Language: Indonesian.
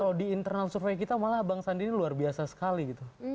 kalau di internal survei kita malah bang sandi ini luar biasa sekali gitu